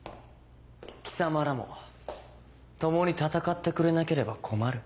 貴様らも共に戦ってくれなければ困る。